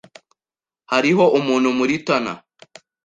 Hariho umuntu muri tunnel.